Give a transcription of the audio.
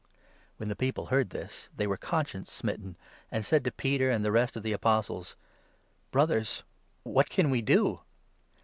When the people heard this, they were conscience smitten, 37 and said to Peter and the rest of the Apostles :" Brothers, what can we do